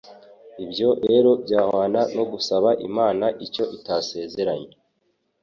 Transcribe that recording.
Ibyo rero byahwana no gusaba Imana icyo itasezeranye.